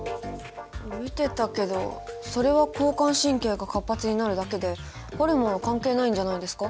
見てたけどそれは交感神経が活発になるだけでホルモンは関係ないんじゃないですか？